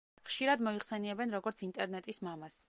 ხშირად მოიხსენიებენ როგორც ინტერნეტის მამას.